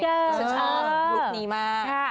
ชอบลูกนี้มาก